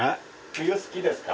冬好きですか？